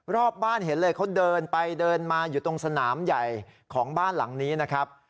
รอบบ้านเห็นเลยเขาเดินไปเดินมาอยู่ตรงสนามใหญ่ของบ้านหลังนี้นะครับ